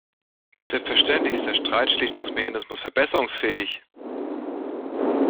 Selbstverständlich ist der Streitschlichtungsmechanismus verbesserungsfähig!